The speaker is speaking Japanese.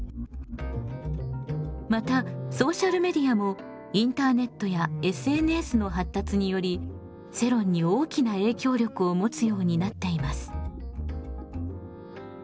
またソーシャルメディアもインターネットやＳＮＳの発達により世論に大きな影響力をもつようになっています。